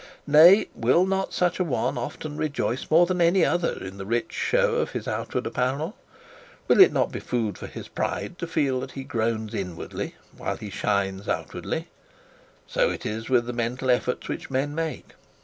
Nay, will not such a one often rejoice more than any other in the rich show of outer apparel? Will it not be food for his pride to feel that he groans inwardly, while he shines outwardly? So it is with the mental efforts which men make.